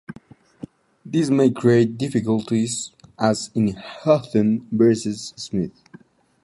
This may create difficulties, as in Haughton versus Smith.